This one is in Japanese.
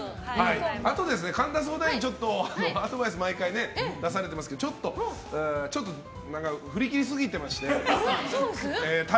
あと神田相談員、アドバイスを毎回出されてますけどちょっと振り切りすぎてて。